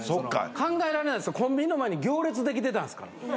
考えられないですよ、コンビニの前に行列出来てたんですから。